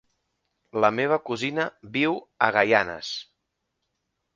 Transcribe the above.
La meva cosina viu a Gaianes.